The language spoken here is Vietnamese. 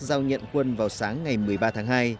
giao nhận quân vào sáng ngày một mươi ba tháng hai